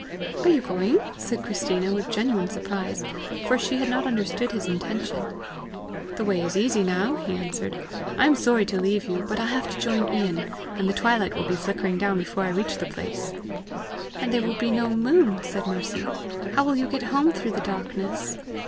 "Are you going?" said Christina with genuine surprise, for she had not understood his intention. "The way is easy now," he answered. "I am sorry to leave you, but I have to join Ian, and the twilight will be flickering down before I reach the place." "And there will be no moon!" said Mercy: "how will you get home through the darkness?"